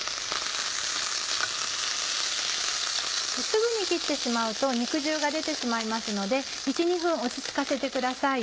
すぐに切ってしまうと肉汁が出てしまいますので１２分落ち着かせてください。